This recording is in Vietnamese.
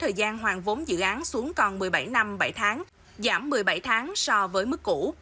thời gian hoàn vốn dự án xuống còn một mươi bảy năm bảy tháng giảm một mươi bảy tháng so với mức cũ